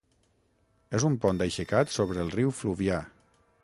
És un pont aixecat sobre el riu Fluvià.